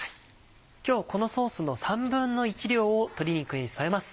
今日このソースの１／３量を鶏肉に添えます。